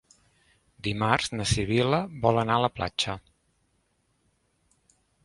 Dimarts na Sibil·la vol anar a la platja.